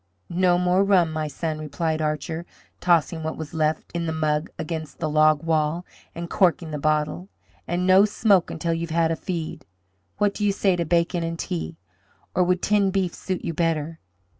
"No more rum, my son," replied Archer, tossing what was left in the mug against the log wall, and corking the bottle, "and no smoke until you have had a feed. What do you say to bacon and tea! Or would tinned beef suit you better?"